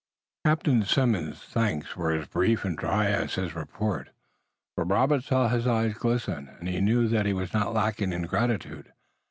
Captain Simmons' thanks were as brief and dry as his report, but Robert saw his eyes glisten, and knew that he was not lacking in gratitude.